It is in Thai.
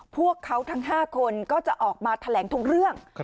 พวกเขาทั้ง๕คนก็จะออกมาแถลงทุกเรื่อง